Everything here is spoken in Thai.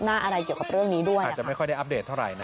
อาจจะไม่ค่อยได้อัปเดตเท่าไหร่นะ